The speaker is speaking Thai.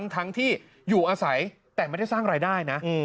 ทั้งที่อยู่อาศัยแต่ไม่ได้สร้างรายได้นะ